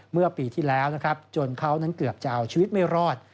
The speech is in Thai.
เมื่อปีที่แล้วนะครับจนเขานั้นเกือบจะเอาชีวิตไม่รอด